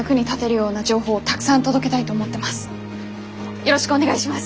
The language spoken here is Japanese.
よろしくお願いします！